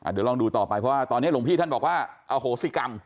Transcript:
เดี๋ยวลองดูต่อไปเพราะว่าตอนนี้หลวงพี่ท่านบอกว่าอโหสิกรรม